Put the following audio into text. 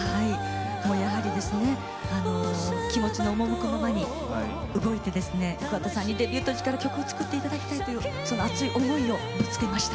やはり気持ちの赴くままに動いて、桑田さんにデビュー当時から曲を作っていただきたい熱い思いをぶつけました。